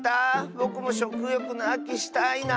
ぼくもしょくよくのあきしたいなあ。